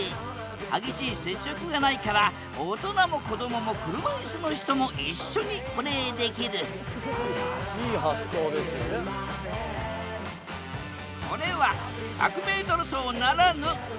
激しい接触がないから大人も子どもも車椅子の人も一緒にプレーできるこれは１００ｍ走ならぬ１００ｃｍ走。